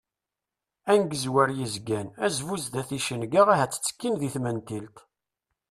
Angeẓwer yezgan, azbu sdat icenga ahat ttekkin di tmentilt.